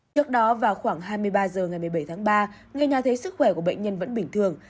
trước đó vào khoảng hai mươi ba h ngày một mươi bảy tháng ba người nhà thấy sức khỏe của bệnh nhân vẫn bình thường